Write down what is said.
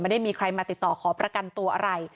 ได้มีใครมาติดต่อขอประกันตัวอะไร